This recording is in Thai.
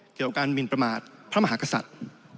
เกี่ยวกับการหมินประมาทพระมหากษัตริย์